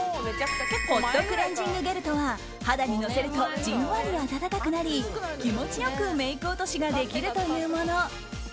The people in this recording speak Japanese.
ホットクレンジングゲルとは肌に乗せるとじんわり温かくなり気持ちよくメイク落としができるというもの。